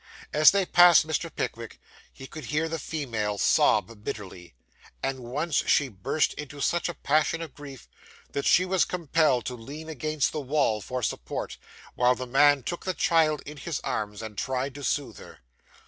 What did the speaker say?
As they passed Mr. Pickwick, he could hear the female sob bitterly; and once she burst into such a passion of grief, that she was compelled to lean against the wall for support, while the man took the child in his arms, and tried to soothe her.